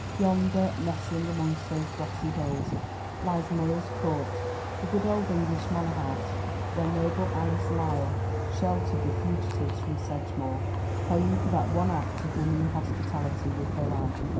Yonder, nestling among those grassy hills, lies Moyles Court, the good old English manor house where noble Alice Lisle sheltered the fugitives from Sedgemoor; paying for that one act of womanly hospitality with her life.